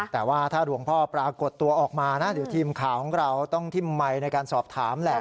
แต่ว่าถ้าหลวงพ่อปรากฏตัวออกมานะเดี๋ยวทีมข่าวของเราต้องทิ้มไมค์ในการสอบถามแหละ